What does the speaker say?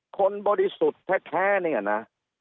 บริสุทธิ์แท้เนี่ยนะ